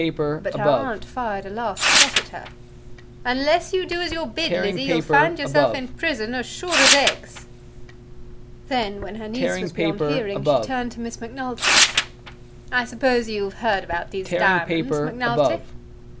But her aunt fired a last shot at her. "Unless you do as you're bid, Lizzie, you'll find yourself in prison as sure as eggs!" Then, when her niece was beyond hearing, she turned to Miss Macnulty. "I suppose you've heard about these diamonds, Macnulty?"